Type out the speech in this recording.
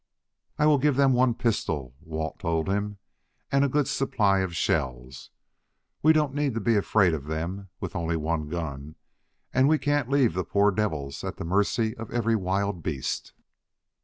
"I will give them one pistol," Walt told him, "and a good supply of shells. We don't need to be afraid of them with only one gun, and we can't leave the poor devils at the mercy of every wild beast."